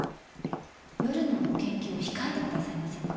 夜のご研究を控えてくださいませんか？